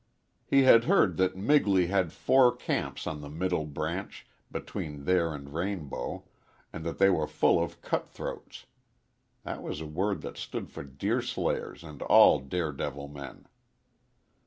He had heard that Migley had four camps on the Middle Branch, between there and Rainbow, and that they were full of "cutthroats." That was a word that stood for deer slayers and all dare devil men.